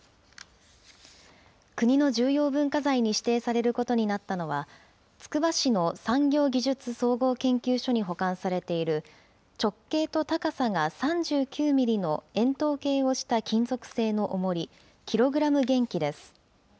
国の重要文化財に指定されることになったのは、つくば市の産業技術総合研究所に保管されている、直径と高さが３９ミリの円筒形をした金属製のおもり、キログラム原器です。